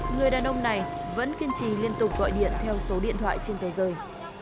người đàn ông này vẫn kiên trì liên tục gọi điện theo số điện thoại trên thế giới